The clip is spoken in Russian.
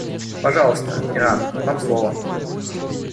Пожалуйста, Иран, вам слово.